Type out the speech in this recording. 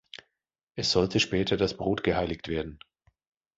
Es sollte später das Brot geheiligt werden.